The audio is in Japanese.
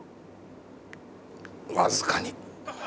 わずかに。